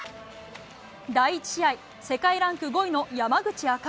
第１試合、世界ランク５位の山口茜。